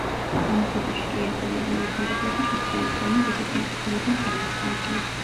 ამასობაში კი იაპონელი მომხმარებლები შეცდომის გამო დიდ უკმაყოფილებას გამოთქვამდნენ.